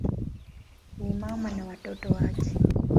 Ni mama na watoto wake.